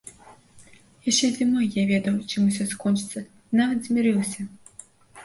Яшчэ зімой я ведаў, чым усё скончыцца, і нават змірыўся.